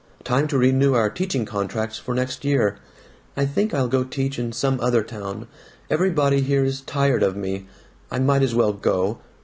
Time to renew our teaching contracts for next year. I think I'll go teach in some other town. Everybody here is tired of me. I might as well go.